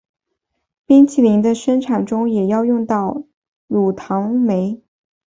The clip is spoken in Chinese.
冰淇淋的生产中也要用到乳糖酶。